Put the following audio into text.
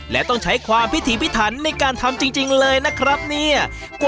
และต้องใช้ความพิถีพิถันในการทำจริงเลยนะครับเนี่ย